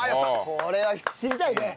これは知りたいね